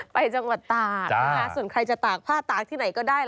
ไปจังหวัดตากส่วนใครจะตากผ้าตากที่ไหนก็ได้